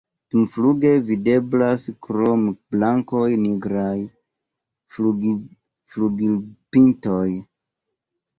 Dumfluge videblas krom blanko nigraj flugilpintoj.